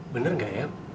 bener gak ya